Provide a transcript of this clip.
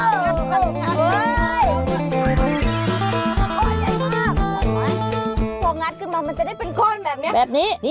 เซาก๋องัดขึ้นมามันจะได้เป็นกอลแบบนี้